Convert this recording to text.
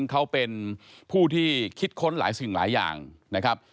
เขาเป็นผู้ที่คิดค้นหลายสิ่งหลายอย่างนะครับ